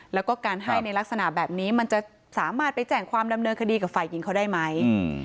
แล้วก็การให้ในลักษณะแบบนี้มันจะสามารถไปแจ้งความดำเนินคดีกับฝ่ายหญิงเขาได้ไหม